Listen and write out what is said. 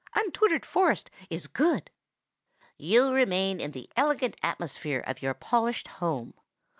"'Untutored forest' is good!"), "you remain in the elegant atmosphere of your polished home.